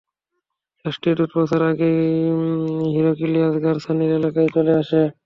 রাষ্ট্রীয় দূত পৌঁছার আগেই হিরাক্লিয়াস গাসসানের এলাকায় চলে আসে।